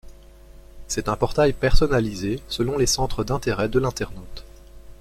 C'est un portail personnalisé selon les centres d'intérêt de l'internaute.